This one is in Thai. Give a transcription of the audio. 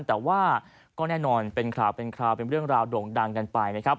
แต่ว่าก็แน่นอนเป็นข่าวเป็นคราวเป็นเรื่องราวโด่งดังกันไปนะครับ